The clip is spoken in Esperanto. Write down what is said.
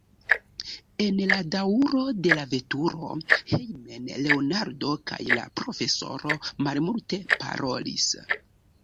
En la daŭro de la veturo hejmen Leonardo kaj la profesoro malmulte parolis.